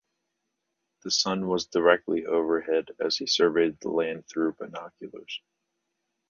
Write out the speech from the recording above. The sun was directly overhead as he surveyed the land through binoculars.